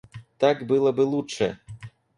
Так было бы лучше.